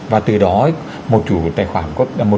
và từ đó một chủ tài khoản